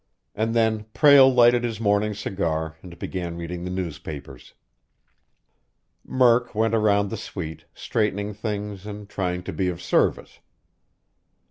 And then Prale lighted his morning cigar and began reading the newspapers. Murk went around the suite, straightening things and trying to be of service.